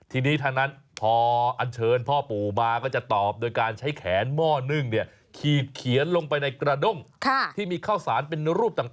ทีนี้ท่านั้นพร